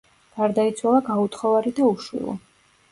გარდაიცვალა გაუთხოვარი და უშვილო.